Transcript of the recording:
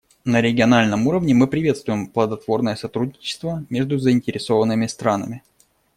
На региональном уровне мы приветствуем плодотворное сотрудничество между заинтересованными странами.